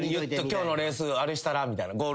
「今日のレースあれしたら」みたいな。